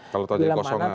kalau tajuk kosongan